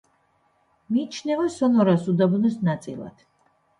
მიიჩნევა სონორას უდაბნოს ნაწილად.